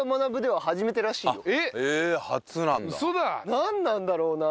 なんなんだろうな。